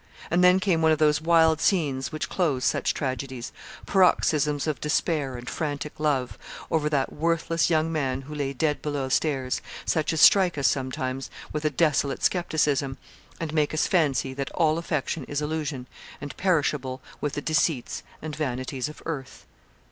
And then came one of those wild scenes which close such tragedies paroxysms of despair and frantic love, over that worthless young man who lay dead below stairs; such as strike us sometimes with a desolate scepticism, and make us fancy that all affection is illusion, and perishable with the deceits and vanities of earth.